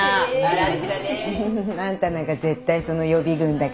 あんたなんか絶対その予備軍だからね。